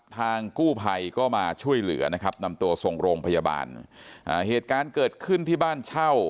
ทางกู้ภัยก็มาช่วยเหลือนะครับนำตัวส่งโรงพยาบาลอ่าเหตุการณ์เกิดขึ้นที่บ้านเช่า